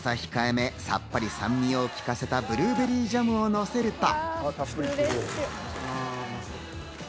目、さっぱり酸味を利かせたブルーベリージャムをのせると。